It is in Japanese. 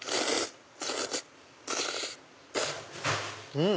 うん！